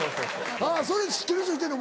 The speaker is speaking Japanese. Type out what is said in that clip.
あぁそれ知ってる人いてんの？